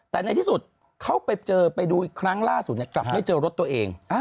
แต่ในที่สุดเขาไปเจอไปดูอีกครั้งล่าสุดกลับไม่เจอรถตัวเอง